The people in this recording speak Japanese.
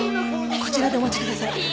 こちらでお待ちください。